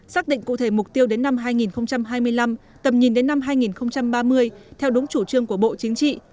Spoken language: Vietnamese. xác định cụ thể mục tiêu đến năm hai nghìn hai mươi năm tầm nhìn đến năm hai nghìn ba mươi theo đúng chủ trương của bộ chính trị